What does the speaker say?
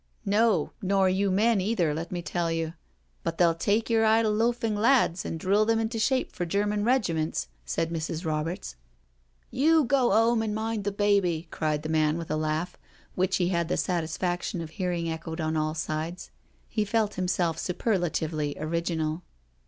No, nor you men either, let me tell you— but they'll take your idle loafing lads and drill them into shape for German regiments," said Mrs. Roberts. " You go 'ome and mind the baby," cried the man, with a laugh, which he had the satisfaction of hearing echoed on all sides. He felt himself superlatively original.